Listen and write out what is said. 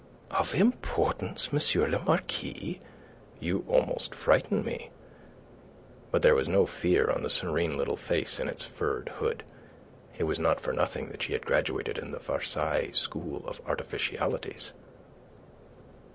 "Of importance, M. le Marquis? You almost frighten me." But there was no fear on the serene little face in its furred hood. It was not for nothing that she had graduated in the Versailles school of artificialities.